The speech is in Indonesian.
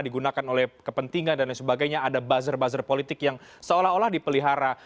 digunakan oleh kepentingan dan lain sebagainya ada buzzer buzzer politik yang seolah olah dipelihara